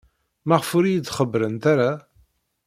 Maɣef ur iyi-d-xebbrent ara?